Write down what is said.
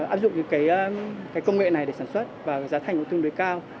áp dụng cái công nghệ này để sản xuất và giá thành cũng tương đối cao